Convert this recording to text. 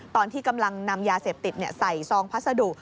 ตอนที่กำลังนำยาเสพติดใส่ซองพัสดุ